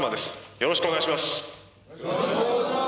よろしくお願いします！